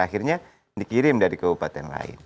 akhirnya dikirim dari kabupaten lain